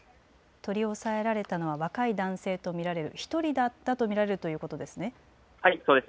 取り押さえられたのは若い男性と見られる１人だと見られるということですね。